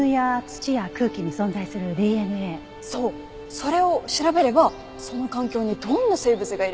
それを調べればその環境にどんな生物がいるかわかるのよ。